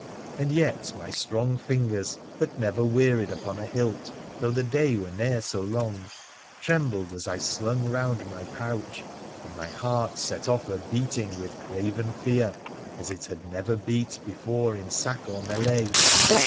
And yet my strong fingers, that never wearied upon a hilt though the day were ne'er so long, trembled as I slung round my pouch, and my heart set off a beating with craven fear, as it had never beat before in sack or melee.